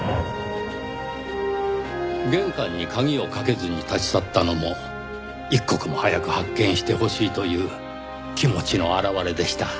玄関に鍵をかけずに立ち去ったのも一刻も早く発見してほしいという気持ちの表れでした。